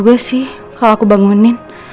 kasian juga sih kalo aku bangunin